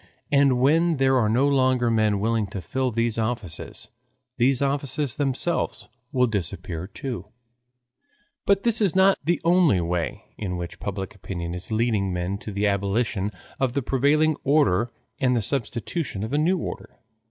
And when there are no longer men willing to fill these offices, these offices themselves will disappear too. But this is not the only way in which public opinion is leading men to the abolition of the prevailing order and the substitution of a new order.